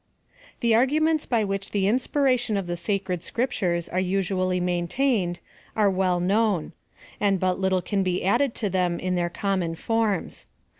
The arguments by which the inspiration of the sacred Scriptures are usually maintained are well known ; and but little can be added to them in their common forms.